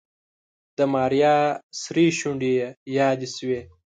د ماريا سرې شونډې يې يادې شوې.